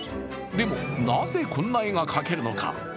でもなぜこんな絵が描けるのか？